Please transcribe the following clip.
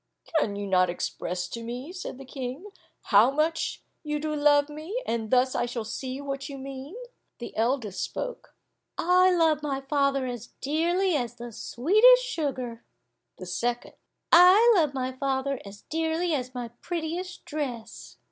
"Can you not express to me," said the King, "how much you do love me, and thus I shall see what you mean?" The eldest spoke. "I love my father as dearly as the sweetest sugar." The second, "I love my father as dearly as my prettiest dress."